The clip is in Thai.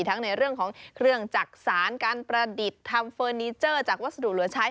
ทั้งในเรื่องของเครื่องจักษานการประดิษฐ์ทำเฟอร์นิเจอร์จากวัสดุเหลือใช้